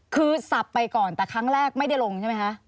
คือสับไปก่อนแต่ครั้งแรกไม่ได้ลงใช่ไหมคะ